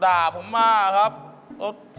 ถ้าเป็นปากถ้าเป็นปาก